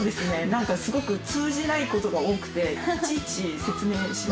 なんかすごく通じない事が多くていちいち説明しました。